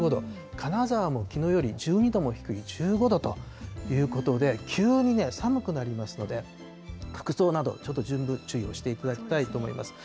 金沢もきのうより１２度も低い、１５度ということで、急に寒くなりますので、服装など十分注意をしていただきたいと思います。